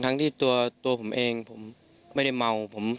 ทั้งที่ตัวผมเองผมไม่ได้เมา